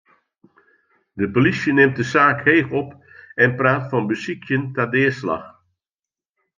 De polysje nimt de saak heech op en praat fan besykjen ta deaslach.